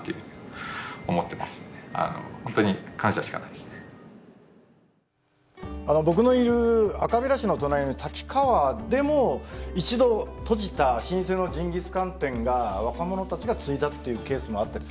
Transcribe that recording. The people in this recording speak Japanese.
やっぱりね僕のいる赤平市の隣の滝川でも一度閉じた老舗のジンギスカン店が若者たちが継いだっていうケースもあったりするんですよね。